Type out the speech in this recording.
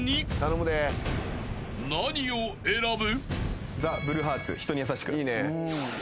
［何を選ぶ？］